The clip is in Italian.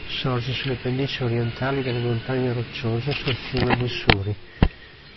Sorge sulle pendici orientali delle Montagne Rocciose, sul fiume Missouri.